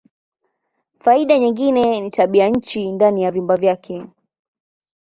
Faida nyingine ni tabianchi ndani ya vyumba vyake.